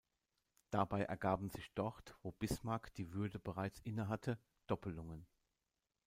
Dabei ergaben sich dort, wo Bismarck die Würde bereits innehatte, Doppelungen.